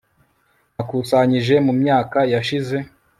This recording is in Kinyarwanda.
nakusanyije mu myaka yashize